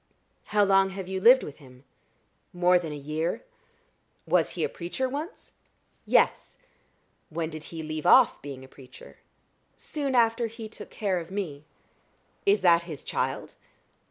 "How long have you lived with him?" "More than a year." "Was he a preacher once?" "Yes." "When did he leave off being a preacher?" "Soon after he took care of me." "Is that his child?"